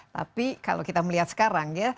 tapi kalau kita melihat sekarang ya